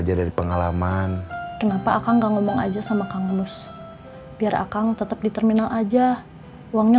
jangan sampai n wanit kita normal deputy